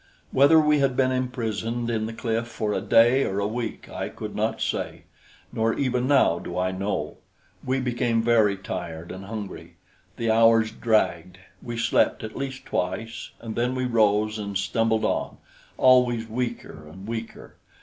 Whether we had been imprisoned in the cliff for a day or a week I could not say; nor even now do I know. We became very tired and hungry; the hours dragged; we slept at least twice, and then we rose and stumbled on, always weaker and weaker.